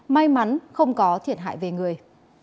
may mắn không có thiệt hại về người